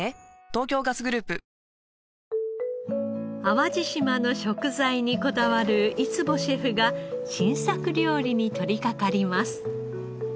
淡路島の食材にこだわる井壷シェフが新作料理に取りかかります。